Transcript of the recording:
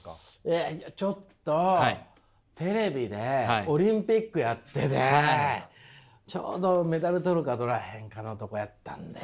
ちょっとテレビでオリンピックやっててちょうどメダル取るか取らへんかのとこやったんで。